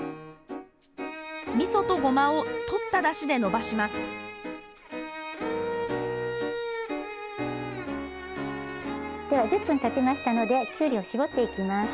みそとゴマをとったダシでのばしますでは１０分たちましたのでキュウリをしぼっていきます。